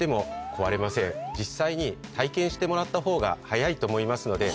実際に体験してもらったほうが早いと思いますので。